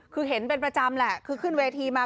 คือเห็นเป็นประจำแหละคือขึ้นเวทีมา